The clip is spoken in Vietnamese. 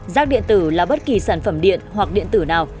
rác điện tử là bất kỳ sản phẩm điện hoặc điện tử nào